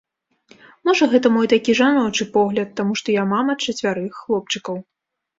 Можа, гэта мой такі жаночы погляд, таму што я мама чацвярых хлопчыкаў.